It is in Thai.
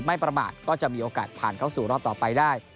ประมาทก็จะมีโอกาสผ่านเข้าสู่รอบต่อไปได้